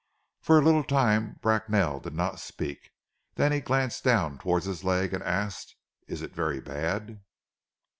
For a little time Bracknell did not speak, then he glanced down towards his leg, and asked, "Is it very bad?"